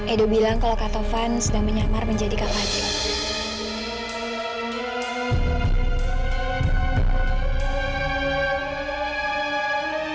edo bilang kalau kak tovan sedang menyamar menjadi kak ado